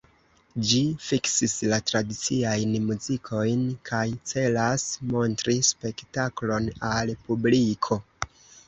Ĝi fiksis la tradiciajn muzikojn kaj celas montri spektaklon al publiko.